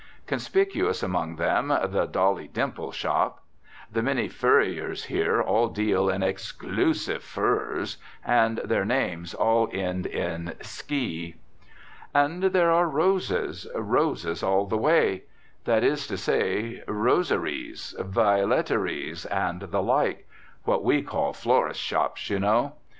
Conspicuous among them, the "Dolly Dimple Shop." The many "furriers" here all deal in "exclusive" furs and their names all end in "sky." And there are roses, roses all the way. That is to say, "roseries," "violeteries," and the like what we call florists' shops, you know.